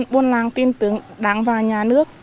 buôn làng tin tưởng đáng vào nhà nước